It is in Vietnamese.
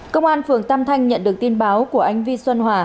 công an phường tam thanh nhận được tin báo của anh vi xuân hòa